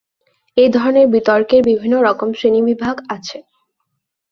এই ধরনের বিতর্কের বিভিন্ন রকম শ্রেণিবিভাগ আছে।